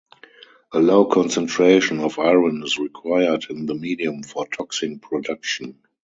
A low concentration of iron is required in the medium for toxin production.